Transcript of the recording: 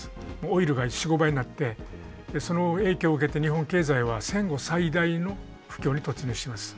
オイルが４５倍になってその影響を受けて日本経済は戦後最大の不況に突入します。